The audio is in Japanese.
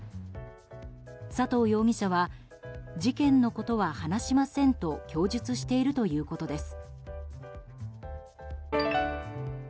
佐藤容疑者は事件のことは話しませんと供述しているということです。